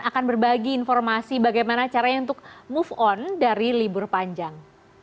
akan berbagi informasi bagaimana caranya untuk move on dari libur panjang